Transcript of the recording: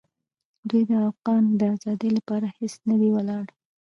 دوی د افغان د آزادۍ لپاره هېڅ نه دي ولاړ.